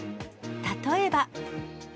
例えば。